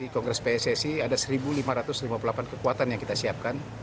kongres pssi ada satu lima ratus lima puluh delapan kekuatan yang kita siapkan